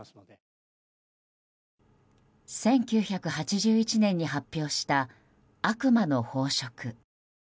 １９８１年に発表した「悪魔の飽食」。